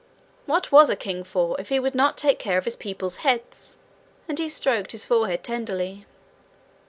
What was a king for if he would not take care of his people's heads! And he stroked his forehead tenderly.